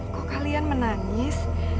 kok kalian menangis